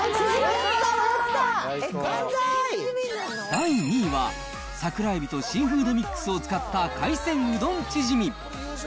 第２位は、桜えびとシーフードミックスを使った海鮮うどんチヂミ。